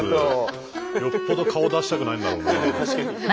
よっぽど顔出したくないんだろうな。